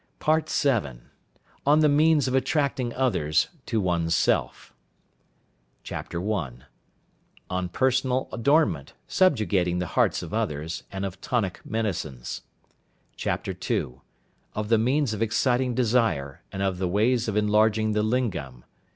PART VII. ON THE MEANS OF ATTRACTING OTHERS TO ONE'S SELF. Chapter I. On Personal Adornment, subjugating the hearts of others, and of tonic medicines. " II. Of the Means of exciting Desire, and of the ways of enlarging the Lingam.